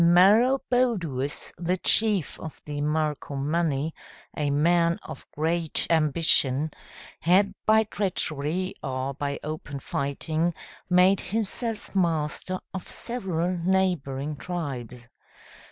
Maroboduus, the chief of the Marcomanni, a man of great ambition, had by treachery or by open fighting, made himself master of several neighboring tribes.